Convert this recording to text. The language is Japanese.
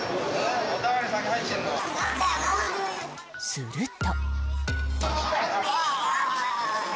すると。